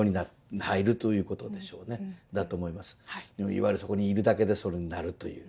いわゆるそこにいるだけでそれになるという。